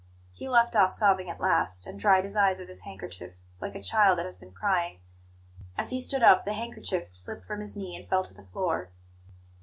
He left off sobbing at last, and dried his eyes with his handkerchief, like a child that has been crying. As he stood up the handkerchief slipped from his knee and fell to the floor.